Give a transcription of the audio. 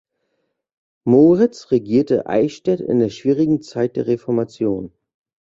Moritz regierte Eichstätt in der schwierigen Zeit der Reformation.